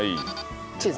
チーズ？